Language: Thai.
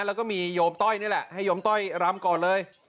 แล้วก็มีโยมต้อยนี่แหละให้โยมต้อยรำก่อนเลย